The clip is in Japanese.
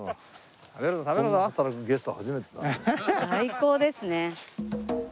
最高ですね。